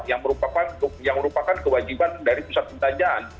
yang merupakan kewajiban dari pusat perbelanjaan